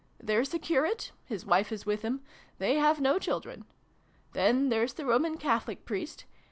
There's the Curate : his wife is with him : they have no children. Then there's the Roman Catholic Priest.